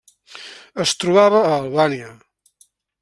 Es trobava a Albània.